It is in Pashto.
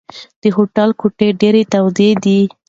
د هوټل کوټې ډېرې تودې دي.